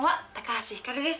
橋ひかるです。